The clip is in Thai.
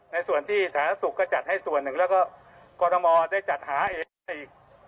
ในส่วนที่สาธารณสุขก็จัดให้ส่วนหนึ่งแล้วก็กรทมได้จัดหาเอง